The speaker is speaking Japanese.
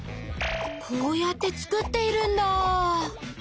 こうやって作っているんだ！